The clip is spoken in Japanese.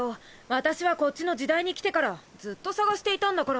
私はこっちの時代に来てからずっと探していたんだから。